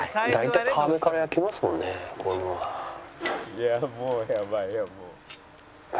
「いやもうやばいよ」